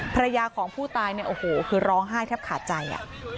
ภรรยาของผู้ตายเนี่ยโอ้โหคือร้องไห้แทบขาดใจ